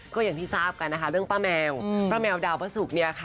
ก็อย่างที่ทราบกันนะคะเรื่องป้าแมวป้าแมวดาวน์ประสุก